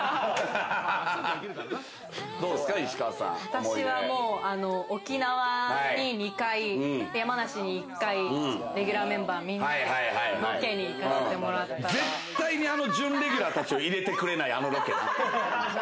私はもう、沖縄に２回、山梨に１回、レギュラーメンバーみんなでロケに行かせても絶対に準レギュラーたちを入れてくれない、あのロケね。